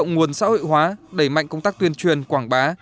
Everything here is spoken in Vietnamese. công tác tu bổ sẽ huy động nguồn xã hội hóa đẩy mạnh công tác tuyên truyền quảng bá